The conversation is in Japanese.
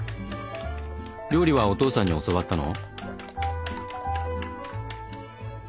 料理はお父さんに教わったの？